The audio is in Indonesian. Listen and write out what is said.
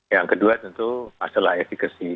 yang kedua tentu masalah efekasi